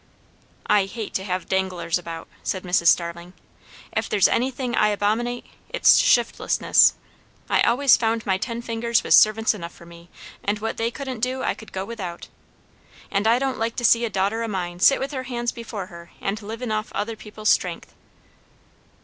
"I hate to have danglers about!" said Mrs. Starling. "If there's anything I abominate, it's shiftlessness. I always found my ten fingers was servants enough for me; and what they couldn't do I could go without. And I don't like to see a daughter o' mine sit with her hands before her and livin' off other people's strength!"